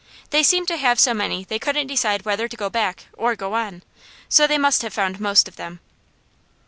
They seemed to have so many they couldn't decide whether to go back or go on, so they must have found most of them.